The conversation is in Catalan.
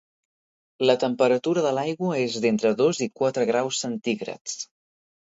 La temperatura de l’aigua és d’entre dos i quatre graus centígrads.